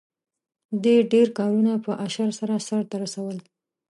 دې ډېر کارونه په اشر سره سرته رسول.